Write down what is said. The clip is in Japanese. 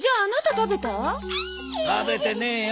食べてねえよ！